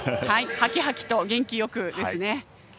はきはきと元気よくですね。